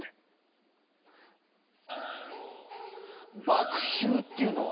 「麦秋」っていうのは？